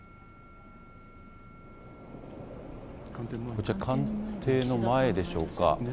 こちら、官邸の前でしょうか。